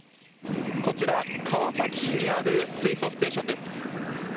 こちら、川崎市にある水素ステーションです。